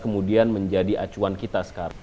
kemudian menjadi acuan kita sekarang